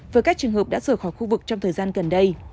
với các trường hợp đã rời khỏi khu vực trong thời gian gần đây